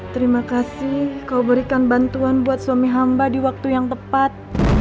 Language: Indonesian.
terima kasih kau berikan bantuan buat suami hamba di waktu yang tepat